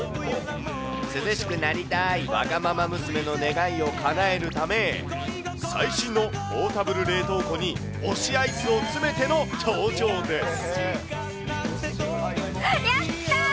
涼しくなりたい、わがまま娘の願いをかなえるため、最新のポータブル冷凍庫に推しアイスを詰めての登場です。